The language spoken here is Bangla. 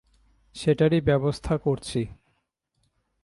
সেটারই ব্যবস্থা করছি।